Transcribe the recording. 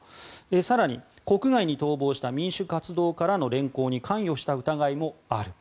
更に国外に逃亡した民主活動家らの連行に関与した疑いもある。